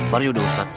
baru yuk deh ustadz